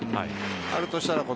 あるとしたら。